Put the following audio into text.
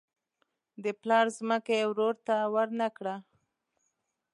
د پلار ځمکه یې ورور ته ورنه کړه.